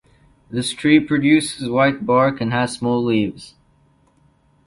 This tree produces white bark and has small leaves.